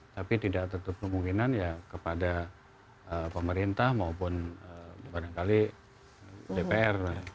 tapi tidak tetap kemungkinan ya kepada pemerintah maupun kadang kadang dpr